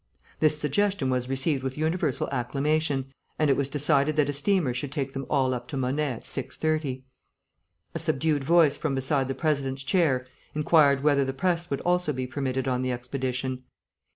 This suggestion was received with universal acclamation, and it was decided that a steamer should take them all up to Monet at six thirty. A subdued voice from beside the President's chair inquired whether the press would also be permitted on the expedition.